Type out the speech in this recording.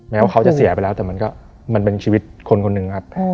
ว่าเขาจะเสียไปแล้วแต่มันก็มันเป็นชีวิตคนคนหนึ่งครับ